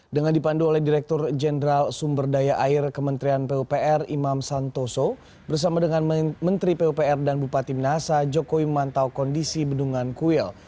dengan dipandu oleh direktur jenderal sumber daya air kementerian pupr imam santoso bersama dengan menteri pupr dan bupati minasa jokowi memantau kondisi bendungan kuil